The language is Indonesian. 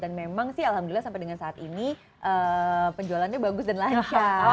dan memang sih alhamdulillah sampai dengan saat ini penjualannya bagus dan lancar